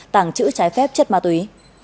tảng chữ trái phép chất ma túy